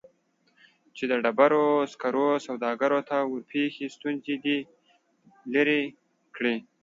چې د ډبرو سکرو سوداګرو ته ورپېښې ستونزې دې لیرې کړي